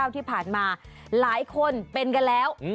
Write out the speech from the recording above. ที่ผ่านมาหลายคนเป็นกันแล้ว